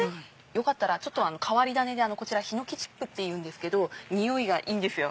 よかったら変わり種でこちらヒノキチップというんですけど匂いがいいんですよ